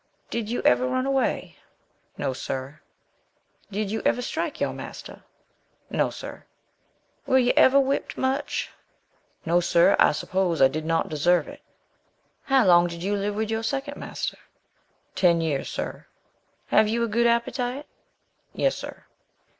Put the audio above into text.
"Did you ever run away?" "No, sir." "Did you ever strike your master?" "No, sir." "Were you ever whipped much?" "No, sir, I s'pose I did not deserve it." "How long did you live with your second master?" "Ten years, sir." "Have you a good appetite?" "Yes, sir."